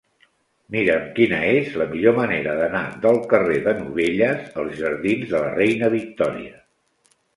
Mira'm quina és la millor manera d'anar del carrer de Novelles als jardins de la Reina Victòria.